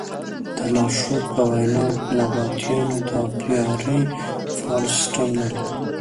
د لارښود په وینا نبطیانو د ابیارۍ فعال سیسټم درلود.